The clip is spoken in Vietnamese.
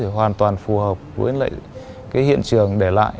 hoàn toàn phù hợp với hiện trường để lại